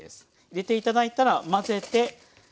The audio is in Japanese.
入れて頂いたら混ぜて。